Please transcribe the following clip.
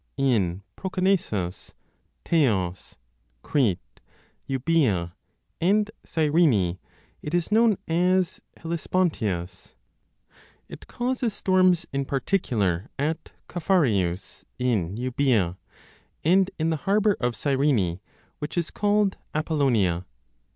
In Procon nesus, Teos, Crete, Euboea, and Gyrene it is known as Hellespontias. It causes storms in particular at Caphereus in Euboea, and in the harbour of Cyrene, which is called Apollonia.